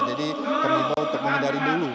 jadi kami mengimbau untuk menghindari dulu